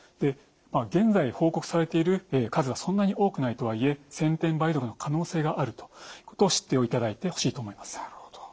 現在報告されている数はそんなに多くないとはいえ先天梅毒の可能性があることを知っていただいてほしいと思います。